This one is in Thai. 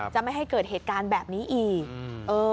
ไม่ให้เกิดเหตุการณ์แบบนี้อีกเออ